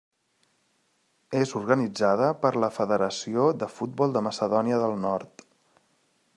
És organitzada per la Federació de Futbol de Macedònia del Nord.